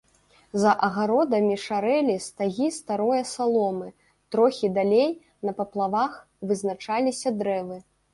За агародамі шарэлі стагі старое саломы, трохі далей, на паплавах, вызначаліся дрэвы.